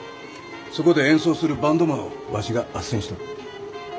そこで演奏するバンドマンをわしが斡旋しとる。